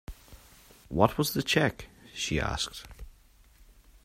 “What was the cheque?” she asked.